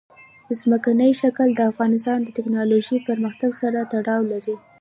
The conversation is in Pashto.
ځمکنی شکل د افغانستان د تکنالوژۍ پرمختګ سره تړاو لري.